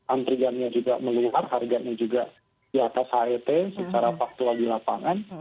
antrigannya juga meluar harganya juga diatas het secara faktual di lapangan